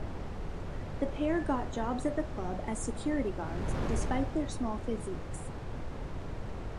The pair got jobs at the club as security guards, despite their small physiques.